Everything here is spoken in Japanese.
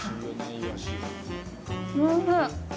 おいしい。